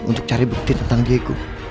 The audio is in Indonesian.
untuk cari bukti tentang diego